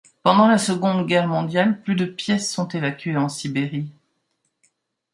Pendant la Seconde Guerre mondiale plus de pièces sont évacuées en Sibérie.